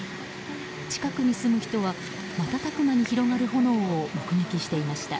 近くに住む人は瞬く間に広がる炎を、目撃していました。